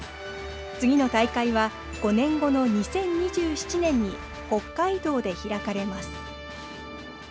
次の大会は５年後の２０２７年に北海道で開かれます。